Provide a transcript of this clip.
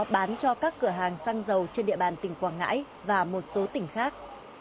bán cho các cửa hàng xăng dầu trên địa bàn tỉnh quảng ngãi và một số tỉnh khác